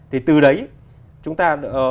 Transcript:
thì từ đấy chúng ta